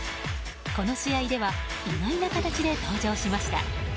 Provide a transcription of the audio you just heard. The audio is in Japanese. この試合では意外な形で登場しました。